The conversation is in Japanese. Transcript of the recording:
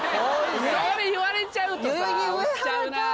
それ言われちゃうとさ押しちゃうなぁ